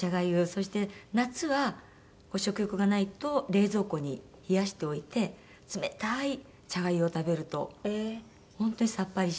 そして夏は食欲がないと冷蔵庫に冷やしておいて冷たい茶粥を食べると本当にさっぱりしてますし。